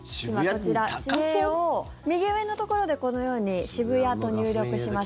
地名を右上のところでこのように渋谷と入力します。